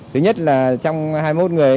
thứ nhất là trong hai mươi một người